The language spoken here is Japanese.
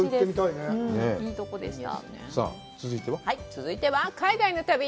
いいところでした。